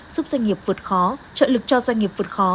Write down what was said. giúp doanh nghiệp vượt khó trợ lực cho doanh nghiệp vượt khó